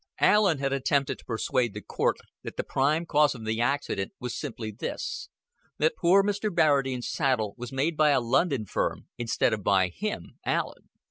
Allen had attempted to persuade the Court that the prime cause of the accident was simply this, that poor Mr. Barradine's saddle was made by a London firm instead of by him Allen.